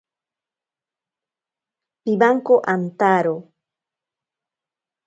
Pibwanko antaro.